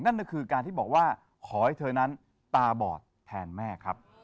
นั่นก็คือการที่บอกว่าขอให้เธอนั้นตาบอดแทนแม่ครับ